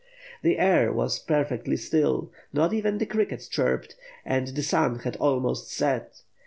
The air was perfectly still, not even the crickets chirped, and the sun had almost set.